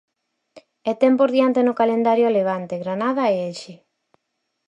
E ten por diante no calendario a Levante, Granada e Elxe.